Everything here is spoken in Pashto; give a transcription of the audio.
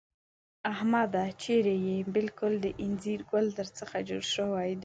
احمده! چېرې يې؟ بالکل د اينځر ګل در څخه جوړ شوی دی.